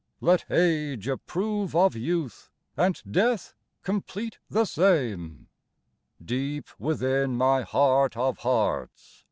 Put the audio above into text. Let age approve of youth, and death com plete the same ;"" Deep within my heart of hearts.